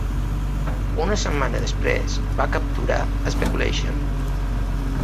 Una setmana després, va capturar "Speculation".